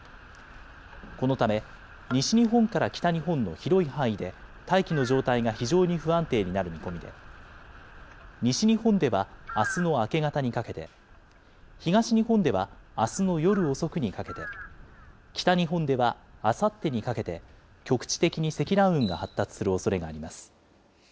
このため、西日本から北日本の広い範囲で大気の状態が非常に不安定になる見込みで、西日本ではあすの明け方にかけて、東日本ではあすの夜遅くにかけて、北日本ではあさってにかけて、局地的に積乱雲が発達するおそれがあります。